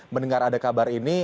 mendengar ada kabar ini